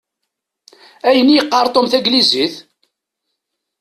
Ayen i yeqqar Tom taglizit?